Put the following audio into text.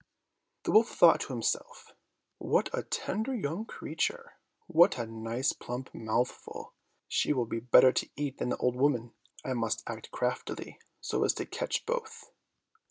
The wolf thought to himself, "What a tender young creature! what a nice plump mouthful—she will be better to eat than the old woman. I must act craftily, so as to catch both."